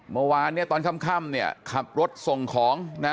เมื่อวานเนี่ยตอนค่ำเนี่ยขับรถส่งของนะ